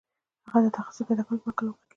هغه د تخصص پیدا کولو په هکله وغږېد